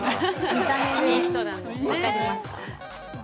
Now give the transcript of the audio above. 見た目で分かります？